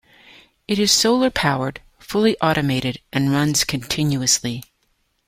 It is solar powered, fully automated and runs continuously.